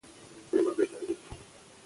عطايي د افغانستان یو پیاوړی لیکوال و.